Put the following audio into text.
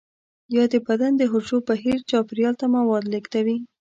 یا د بدن د حجرو بهر چاپیریال ته مواد لیږدوي.